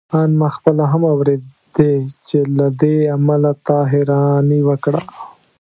آن ما خپله هم اورېدې چې له دې امله تا حيراني وکړه.